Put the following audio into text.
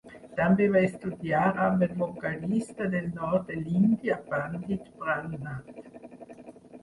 També va estudiar amb el vocalista del nord de l'Índia Pandit Pran Nath.